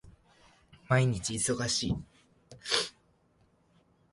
毎日忙しい